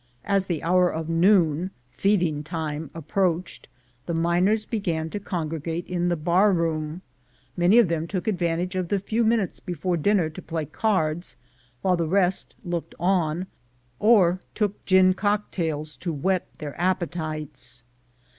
As the hour of noon (feeding time) approached, the miners began to congregate in the bar room; many of them took advantage of the few minutes before dinner to play cards, while the rest looked on, or took gin cocktails to whet their appe tites.